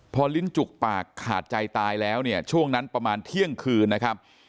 พอลิ้นจุกปากขาดใจตายแล้วเนี่ยช่วงนั้นประมาณเที่ยงคืนนะครับ